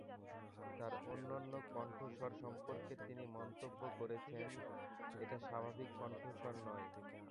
তার অনন্য কণ্ঠস্বর সম্পর্কে তিনি মন্তব্য করেছেন: এটা স্বাভাবিক কণ্ঠস্বর নয়।